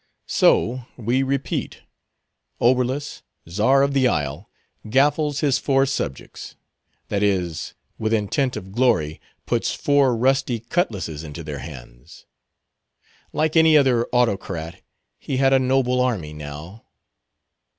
So, we repeat, Oberlus, czar of the isle, gaffles his four subjects; that is, with intent of glory, puts four rusty cutlasses into their hands. Like any other autocrat, he had a noble army now.